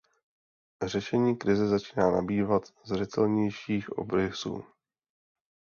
Řešení krize začíná nabývat zřetelnějších obrysů.